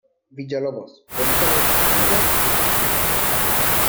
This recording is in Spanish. Villalobos: Orígenes, Vida y Costumbres